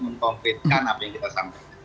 mengkonkretkan apa yang kita sampaikan